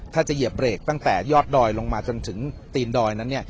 ถ้าจะเหยียบเบรกตั้งแต่ยอดดอยลงมาจนถึงตีนดอยนั้น